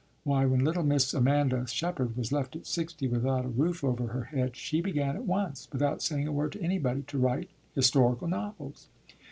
Why, when little Miss Amanda Sheppard was left at sixty without a roof over her head, she began at once, without saying a word to anybody, to write historical novels."